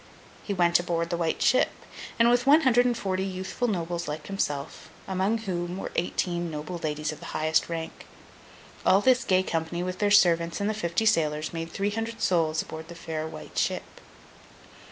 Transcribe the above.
He went aboard The White Ship, with one hundred and forty youthful Nobles like himself, among whom were eighteen noble ladies of the highest rank. All this gay company, with their servants and the fifty sailors, made three hundred souls aboard the fair White Ship.